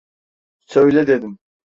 Söyle dedim!